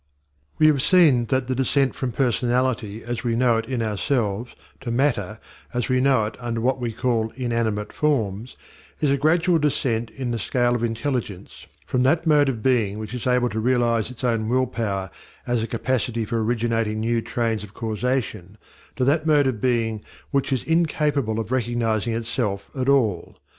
We have seen that the descent from personality, as we know it in ourselves, to matter, as we know it under what we call inanimate forms, is a gradual descent in the scale of intelligence from that mode of being which is able to realize its own will power as a capacity for originating new trains of causation to that mode of being which is incapable of recognizing itself at all.